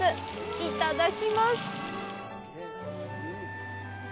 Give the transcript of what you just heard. いただきます！